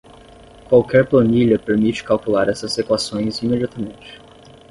Qualquer planilha permite calcular essas equações imediatamente.